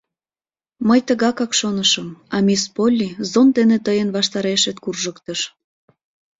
— Мый тыгакак шонышым, а мисс Полли зонт дене тыйын ваштарешет куржыктыш.